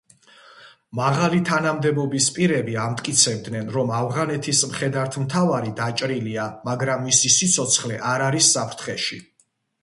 მაღალი თანამდებობის პირები ამტკიცებდნენ, რომ ავღანეთის მხედართმთავარი დაჭრილია, მაგრამ მისი სიცოცხლე არ არის საფრთხეში.